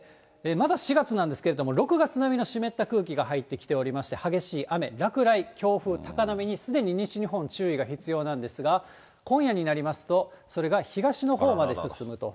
まだ４月なんですけれども、６月並みの湿った空気が入ってきておりまして、激しい雨、落雷、強風、高波にすでに西日本、注意が必要なんですが、今夜になりますと、それが東のほうまで進むと。